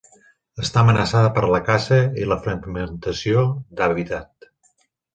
Està amenaçada per la caça i la fragmentació d'hàbitat.